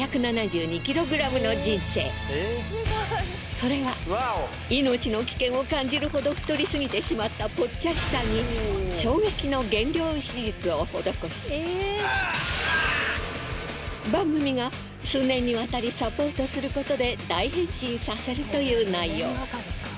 それは命の危険を感じるほど太りすぎてしまったぽっちゃりさんに衝撃の減量手術を施し番組が数年にわたりサポートすることで大変身させるという内容。